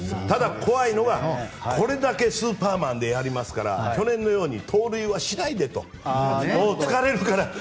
ただ、怖いのがこれだけスーパーマンでやりますから去年のように盗塁はしないでともう疲れるから。